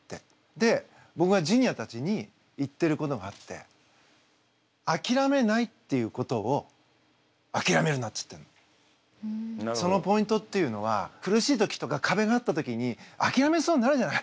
で僕がジュニアたちに言ってることがあってそのポイントっていうのは苦しい時とか壁があった時にあきらめそうになるじゃない。